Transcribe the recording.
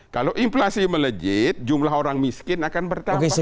kalau inflasi melejit jumlah orang miskin akan bertambah